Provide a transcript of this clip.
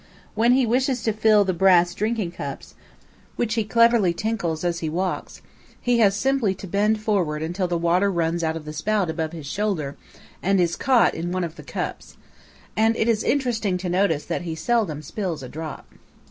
When he wishes to fill the brass drinking cups, which he cleverly tinkles as he walks, he has simply to bend forward until the water runs out of the spout above his shoulder and is caught in one of the cups, and it is interesting to notice that he seldom spills a drop.